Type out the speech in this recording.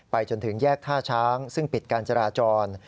จนถึงแยกท่าช้างซึ่งปิดการจราจร